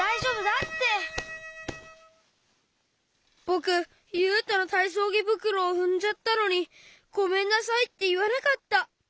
ぼくゆうとのたいそうぎぶくろをふんじゃったのに「ごめんなさい」っていわなかった。